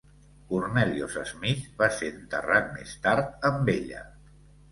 Cornelius Smith va ser enterrat més tard amb ella.